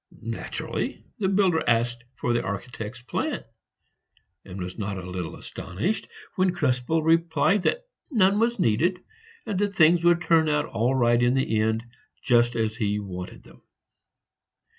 Naturally the builder asked for the architect's plan, and was not a little astonished when Krespel replied that none was needed, and that things would turn out all right in the end, just as he wanted them.